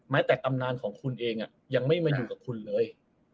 แต่ตำนานของคุณเองยังไม่มาอยู่กับคุณเลย